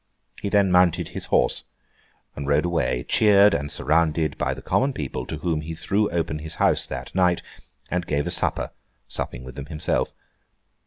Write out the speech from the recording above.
He then mounted his horse, and rode away, cheered and surrounded by the common people, to whom he threw open his house that night and gave a supper, supping with them himself.